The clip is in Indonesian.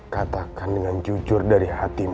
katakan dengan jujur dari hatimu